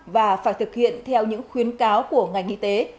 và phải thực hiện theo những khuyến cáo của ngành y tế